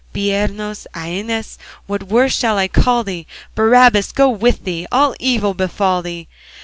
Bireno, Æneas, what worse shall I call thee? Barabbas go with thee! All evil befall thee!